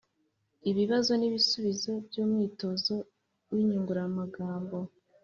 Ibibazo n’ibisubizo by’umwitozo w’inyunguramagambo